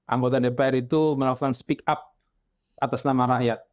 anggota dpr itu melakukan speak up atas nama rakyat